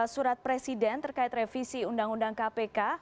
surat presiden terkait revisi undang undang kpk